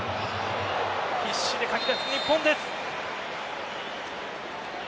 必死にかき出す日本です。